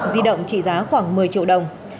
di động trị giá khoảng một mươi triệu đồng